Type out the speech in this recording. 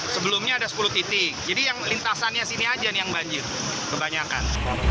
sebelumnya ada sepuluh titik jadi yang lintasannya sini aja nih yang banjir kebanyakan